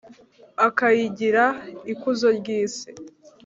akayigira ’ikuzo ry’isi’.»